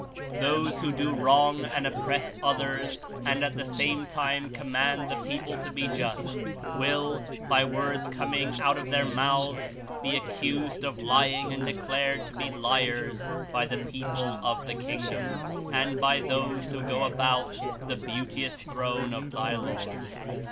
Those who do wrong and oppress others and at the same time command the people to be just, will, by words coming out of their mouths, be accused of lying and declared to be liars by the people of the Kingdom and by those who go about the Beauteous Throne of thy Lord."